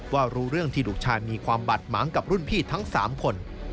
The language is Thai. ว่ารู้เรื่องที่ลูกชายมีความบาดหมางกับรุ่นพี่ทั้ง๓คน